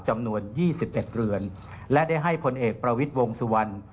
จำนวน๒๑เรือนและได้ให้พลเอกประวิทย์วงสุวรรณ